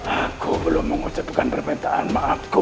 aku belum mengucapkan permintaan maafku